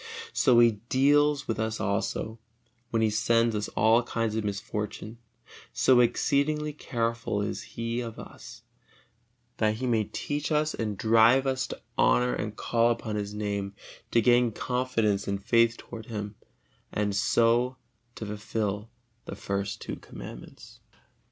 So He deals with us also, when He sends us all kinds of misfortune: so exceedingly careful is He of us, that He may teach us and drive us to honor and call upon His Name, to gain confidence and faith toward Him, and so to fulfil the first two Commandments.